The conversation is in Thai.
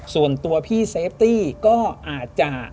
ส่วนตัวพี่เซฟตี้ก็อาจจะ